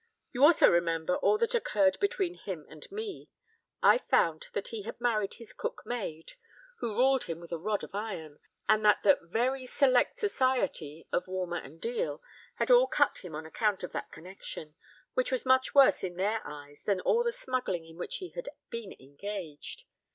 You also remember all that occurred between him and me. I found that he had married his cook maid, who ruled him with a rod of iron; and that the 'very select society' of Walmer and Deal had all cut him on account of that connexion, which was much worse in their eyes than all the smuggling in which he had been engaged.